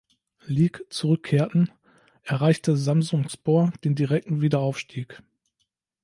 Lig zurückkehrten, erreichte Samsunspor den direkten Wiederaufstieg.